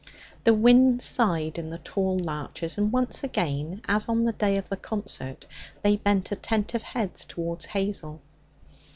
The wind sighed in the tall larches, and once again, as on the day of the concert, they bent attentive heads towards Hazel.